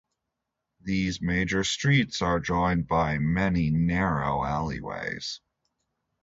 These major streets are joined by many narrow alleyways.